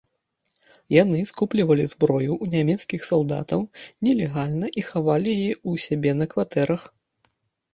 Яны скуплівалі зброю ў нямецкіх салдатаў, нелегальна, і хавалі яе ў сябе на кватэрах.